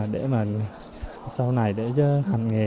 để mà sau này để hành nghề